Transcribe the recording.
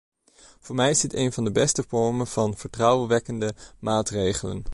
Voor mij is dit een van de beste vormen van vertrouwenwekkende maatregelen.